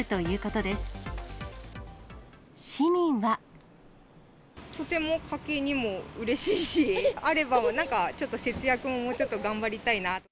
とても家計にもうれしいし、あればなんかちょっと節約ももうちょっと頑張りたいなと。